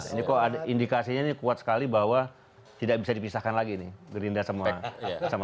ini kok indikasinya ini kuat sekali bahwa tidak bisa dipisahkan lagi nih gerindra semua